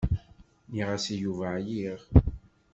Nniɣ-as i Yuba ɛyiɣ.